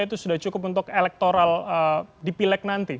itu sudah cukup untuk elektoral dipilek nanti